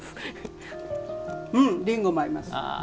うん、りんごも合います。